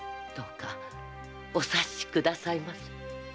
どうかお察しくださいませ。